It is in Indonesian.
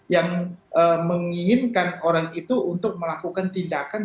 yang menginginkan orang itu untuk melakukan tindakan